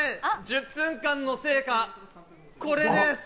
１０分間の成果、これです！